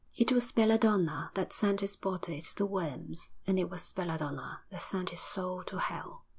'It was Belladonna that sent his body to the worms; and it was Belladonna that sent his soul to hell.'